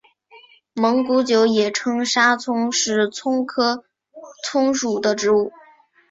蒙古韭也称沙葱是葱科葱属的植物。